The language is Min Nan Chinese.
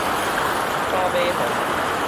走馬癀